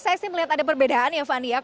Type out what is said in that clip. saya sih melihat ada perbedaan ya fani ya